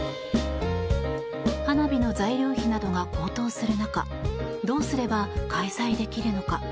花火の材料費などが高騰する中どうすれば開催できるのか。